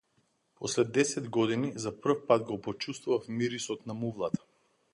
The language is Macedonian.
После десет години, за прв пат го почувствував мирисот на мувлата.